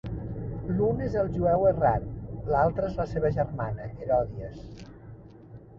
L'un és el Jueu Errant, l'altra és la seva germana, Heròdies.